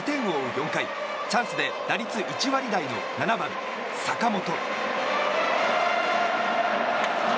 ４回チャンスで打率１割台の７番、坂本。